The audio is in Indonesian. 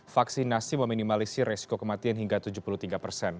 vaksinasi meminimalisi resiko kematian hingga tujuh puluh tiga persen